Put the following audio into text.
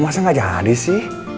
masa gak jadi sih